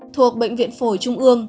thuộc bệnh viện phổi trung ương